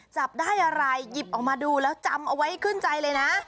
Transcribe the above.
จับได้อะไรหยิบออกมาดูแล้วจำเอาไว้ขึ้นใจเลยนะ